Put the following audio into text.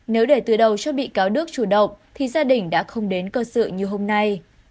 nếu để từ đầu cho bị cáo đức chủ động thì gia đình đã không đến cơ sự như hôm nay